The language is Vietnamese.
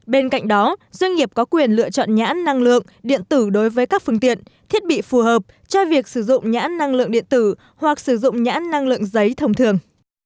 bên cạnh đó doanh nghiệp có quyền lựa chọn nhãn năng lượng điện tử đối với các phương tiện thiết bị phù hợp cho việc sử dụng nhãn năng lượng điện tử hoặc sử dụng nhãn năng lượng giấy thông thường